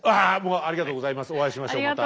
ありがとうございますお会いしましょうまた。